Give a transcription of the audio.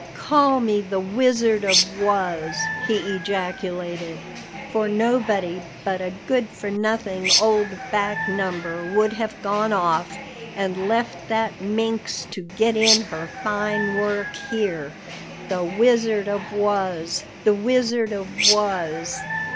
"Call me the Wizard of Was," he ejaculated, "for nobody but a good for nothing old back number would have gone off and left that minx to get in her fine work here." "The Wizard of Was! The Wizard of Was!"